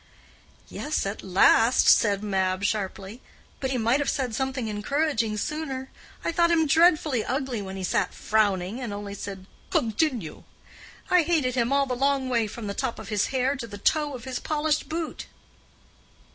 "Yes, at last," said Mab, sharply. "But he might have said something encouraging sooner. I thought him dreadfully ugly when he sat frowning, and only said, '_Con_tinue.' I hated him all the long way from the top of his hair to the toe of his polished boot."